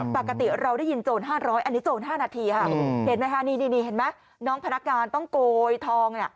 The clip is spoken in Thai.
ปกติเราได้ยินโจร๕๐๐อันนี้โจร๕นาทีค่ะเห็นไหมคะนี่เห็นไหมน้องพนักงานต้องโกยทอง